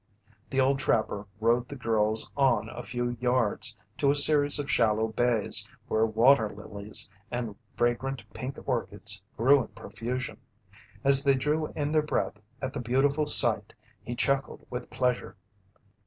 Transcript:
The old trapper rowed the girls on a few yards to a series of shallow bays where water lilies and fragrant pink orchids grew in profusion. As they drew in their breath at the beautiful sight, he chuckled with pleasure.